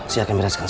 siapkan bereskan bos